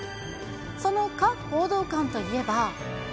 その華報道官といえば。